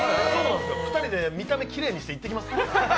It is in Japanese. ２人で見た目きれいにして行ってきます。